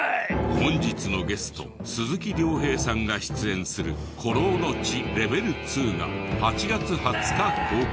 本日のゲスト鈴木亮平さんが出演する『孤狼の血ＬＥＶＥＬ２』が８月２０日公開。